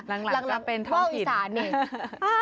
หลังจะเป็นท่องอีสาเนก